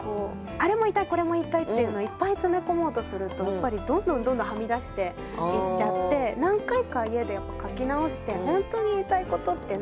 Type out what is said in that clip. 「これも言いたい」っていうのをいっぱい詰め込もうとするとやっぱりどんどんどんどんはみ出していっちゃって何回か家で書き直して「本当に言いたいことって何だろう？」